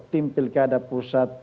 timpil kada pusat